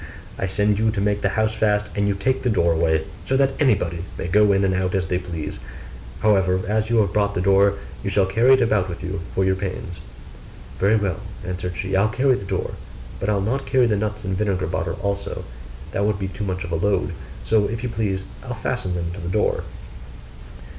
I sent you to make the house fast, and you take the door away, so that everybody may go in and out as they please however, as you have brought the door, you shall carry it about with you for your pains.' 'Very well,' answered she, 'I'll carry the door; but I'll not carry the nuts and vinegar bottle also that would be too much of a load; so if you please, I'll fasten them to the door.